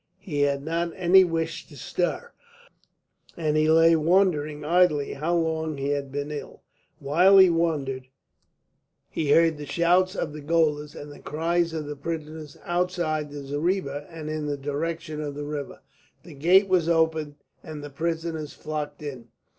He had not any wish to stir, and he lay wondering idly how long he had been ill. While he wondered he heard the shouts of the gaolers, the cries of the prisoners outside the zareeba and in the direction of the river. The gate was opened, and the prisoners flocked in.